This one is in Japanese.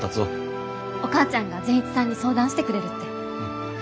お母ちゃんが善一さんに相談してくれるって。